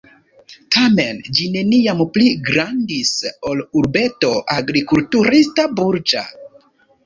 Tamen ĝi neniam pli grandis ol urbeto agrikulturista-burĝa.